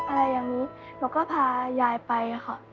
อะไรอย่างนี้หนูก็พายายไปค่ะ